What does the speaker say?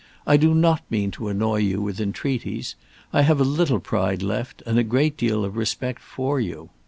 I do not mean to annoy you with entreaties. I have a little pride left, and a great deal of respect for you.